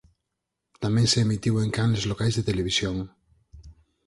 Tamén se emitiu en canles locais de televisión.